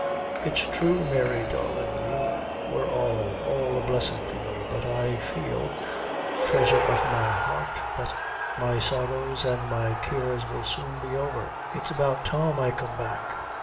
"It's thrue, Mary darlin'; you wor all all a blessin' to me; but I feel, threasure of my heart, that my sorrows an' my cares will soon be over. It's about Tom I come back.